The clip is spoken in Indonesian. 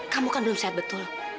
kamu kan belum sehat betul